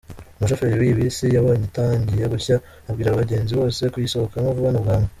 Umushoferi w’ iyi bisi yabonye itangiye gushya abwira abagenzi bose kuyisohokamo vuba na bwangu.